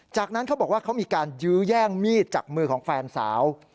จากนั้นเขาบอกว่าเขามีการยื้อแย่งมีดจากมือของแฟนสาว